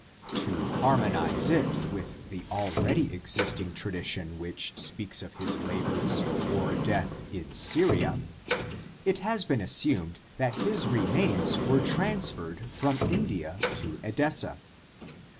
To harmonize it with the already existing tradition which speaks of his labors or death in Syria, it has been assumed that his remains were transferred from India to Edessa.